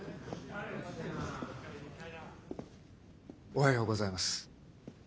おはようございます。